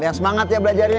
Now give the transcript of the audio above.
yang semangat ya belajarnya